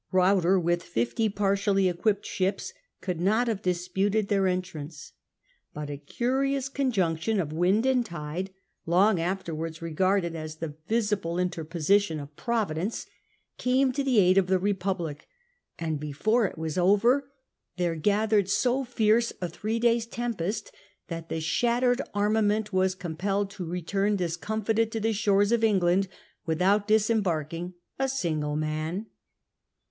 Ruyter, r *i e of P artial, y equipped ships, could not aUiedfleet have disputed their entrance. But a curious Dutch thC con j unct i° n °f w i n d and tide, long afterwards coasts, July regarded as the visible interposition of Provi l6r ^' dence, came to the aid of the Republic, and before it was over there gathered so fierce a three days* tempest that the shattered armament was compelled to return discomfited to the shores of England, without disembarking a single man.